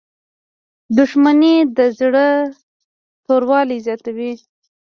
• دښمني د زړه توروالی زیاتوي.